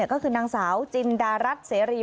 ก็คือนางสาวจินดารัฐเสรี